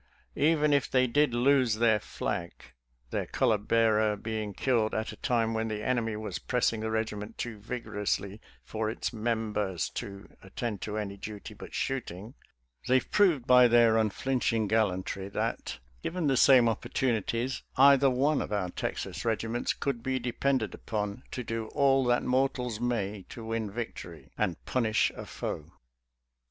Even if they did lose their flag — their color bearer being killed at a time when the enemy was pressing the regiment too vigorously for its members to attend to any duty but shooting — they proved by their unflinching gallantry that, given the same opportunities, either one of our Texas regi ments could be depended upon to do all that mortals may to win victory and punish a foe.